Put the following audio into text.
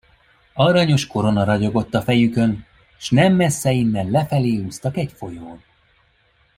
Aranyos korona ragyogott a fejükön, s nem messze innen lefelé úsztak egy folyón.